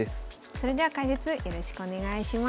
それでは解説よろしくお願いします。